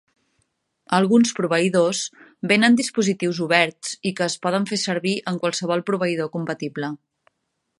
Alguns proveïdors venen dispositius oberts i que es poden fer servir amb qualsevol proveïdor compatible.